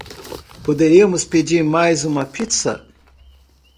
Poderíamos pedir mais uma pizza